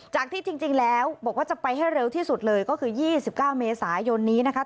ที่จริงแล้วบอกว่าจะไปให้เร็วที่สุดเลยก็คือ๒๙เมษายนนี้นะคะ